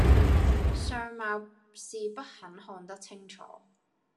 相貌是不很看得清楚，